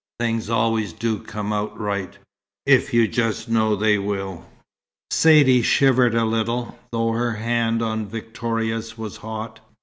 Things always do come out right, if you just know they will." Saidee shivered a little, though her hand on Victoria's was hot.